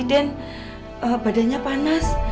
jadi den badannya panas